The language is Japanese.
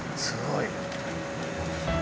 すごい。